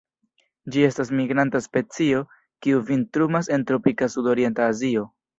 Ĝi estas migranta specio, kiu vintrumas en tropika sudorienta Azio.